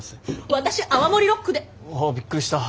私泡盛ロックで！わあびっくりした。